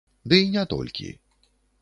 Ды і не толькі.